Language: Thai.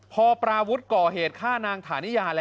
สวยสวยสวยสวยสวยสวยสวยสวยสวย